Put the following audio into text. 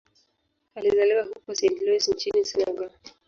Alizaliwa huko Saint-Louis nchini Senegal.